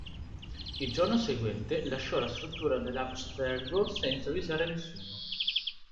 Il giorno seguente, lasciò la struttura della Abstergo senza avvisare nessuno.